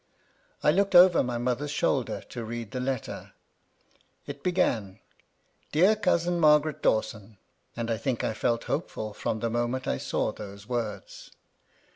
I looked over my mother's shoulder to read the letter; it began, "Dear Cousin Margaret Dawson," and I think I felt hopeful from the moment I saw those words.